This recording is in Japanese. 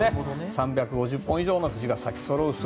３５０本以上の藤が咲きそろう姿